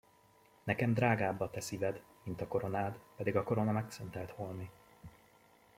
Nekem drágább a te szíved, mint a koronád, pedig a korona megszentelt holmi.